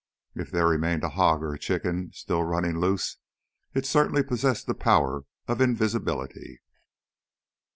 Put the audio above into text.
If there remained a hog or chicken still running loose, it certainly possessed the power of invisibility.